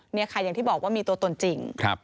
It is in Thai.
นี่ค่ะอย่างที่บอกว่ามีตัวตนจริง